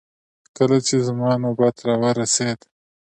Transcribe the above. کله چې زما نوبت راورسېد.